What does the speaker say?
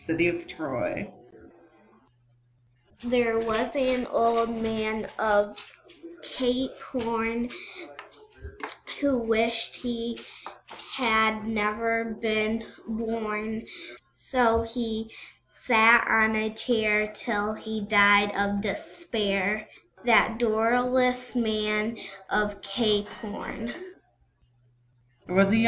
There was an Old Man of Cape Horn, Who wished he had never been born; So he sat on a Chair till he died of despair, That dolorous Man of Cape Horn.